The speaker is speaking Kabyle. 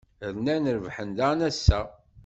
Rnan rebḥen daɣen ass-a.